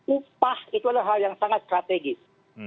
upah itulah hal yang sangat strategis